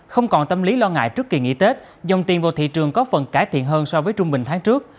không còn tâm lý lo ngại trước kỳ nghỉ tết dòng tiền vào thị trường có phần cải thiện hơn so với trung bình tháng trước